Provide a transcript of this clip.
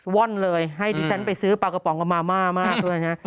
ว่อนเลยให้ดิฉันไปซื้อปลากระป๋องกับมาม่ามากด้วยนะ